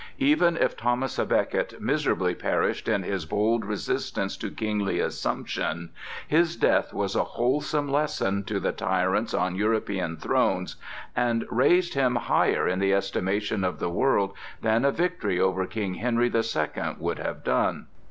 Even if Thomas à Becket miserably perished in his bold resistance to kingly assumption, his death was a wholesome lesson to the tyrants on European thrones, and raised him higher in the estimation of the world than a victory over King Henry the Second would have done.